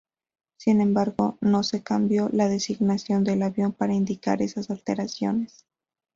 Sin embargo no se cambió la designación del avión para indicar esas alteraciones.